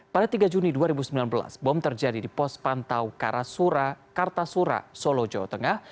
pada tiga juni dua ribu sembilan belas bom terjadi di pos pantaura kartasura solo jawa tengah